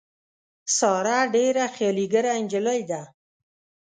ساره ډېره خیالي ګره نجیلۍ ده.